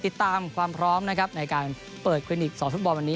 ติดตามความพร้อมนะครับในการเปิดคลินิกสอนฟุตบอลวันนี้